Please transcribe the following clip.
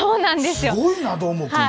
すごいな、どーもくん。